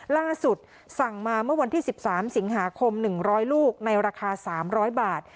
ล่าสุดสั่งมาเมื่อวันที่๑๓สิงหาคม๑๐๐ลูกในราคา๓๐๐บาท